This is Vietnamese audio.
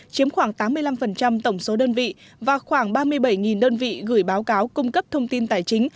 chiếm khoảng tám mươi năm tổng số đơn vị và khoảng ba mươi bảy đơn vị gửi báo cáo cung cấp thông tin tài chính